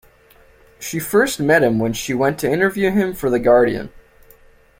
She first met him when she went to interview him for "The Guardian".